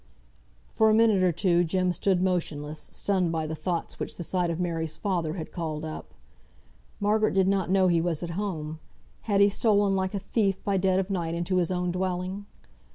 For a minute or two Jem stood motionless, stunned by the thoughts which the sight of Mary's father had called up. Margaret did not know he was at home: had he stolen like a thief by dead of night into his own dwelling?